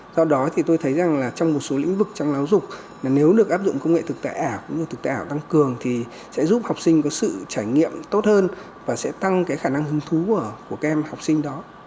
do đó thì tôi thấy rằng là trong một số lĩnh vực trong giáo dục là nếu được áp dụng công nghệ thực tại ảo cũng như thực tại ảo tăng cường thì sẽ giúp học sinh có sự trải nghiệm tốt hơn và sẽ tăng cái khả năng hứng thú của các em học sinh đó